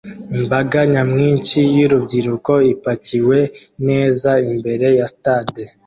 Imbaga nyamwinshi y'urubyiruko ipakiwe neza imbere ya stade